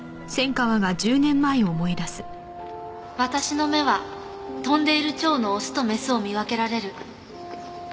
私の目は飛んでいる蝶のオスとメスを見分けられる。